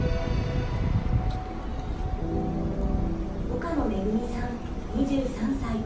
岡野めぐみさん２３歳。